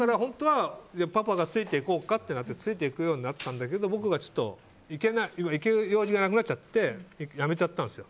パパがついていこうかってなってついていくようになったんだけど僕が行ける用事がなくなっちゃってやめちゃったんですよ。